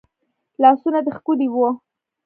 لاسونه دي ښکلي وه